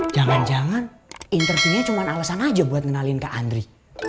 jangan jangan enterpinnya cuma alasan aja buat ngenalin kak andri